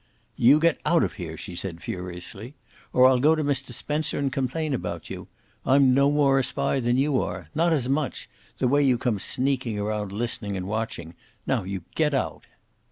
"You get out of here," she said furiously, "or I'll go to Mr. Spencer and complain about you. I'm no more a spy than you are. Not as much! the way you come sneaking around listening and watching! Now you get out."